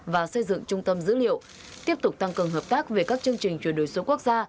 và xây dựng trung tâm dữ liệu tiếp tục tăng cường hợp tác về các chương trình chuyển đổi số quốc gia